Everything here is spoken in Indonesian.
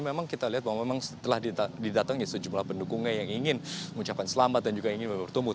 memang kita lihat bahwa memang setelah didatangi sejumlah pendukungnya yang ingin mengucapkan selamat dan juga ingin bertumbuh